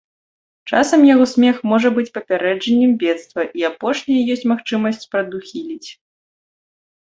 Часам яго смех можа быць папярэджаннем бедства, і апошняе ёсць магчымасць прадухіліць.